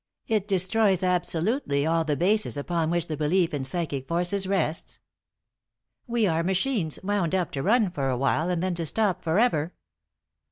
It destroys absolutely all the bases upon which the belief in psychic forces rests? We are machines, wound up to run for a while, and then to stop forever?"